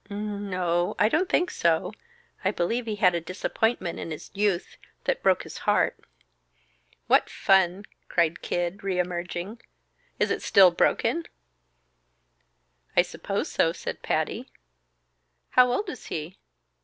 "N no, I don't think so. I believe he had a disappointment in his youth, that broke his heart." "What fun!" cried Kid, reëmerging. "Is it still broken?" "I suppose so," said Patty. "How old is he?"